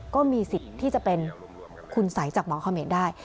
ก็มีสิทธิ์ที่จะเป็นคุณสัยจากหมอเขมรได้